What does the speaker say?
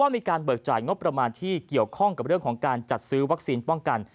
มีการเบิกจ่ายงบประมาณที่เกี่ยวข้องกับเรื่องของการจัดซื้อวัคซีนป้องกัน